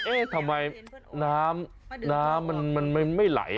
เอ๊ะทำไมน้ำมันไม่ไหล